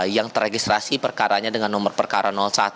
yang teregistrasi perkaranya dengan nomor perkara satu